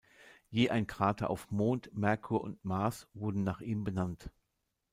Je ein Krater auf Mond, Merkur und Mars wurde nach ihm benannt.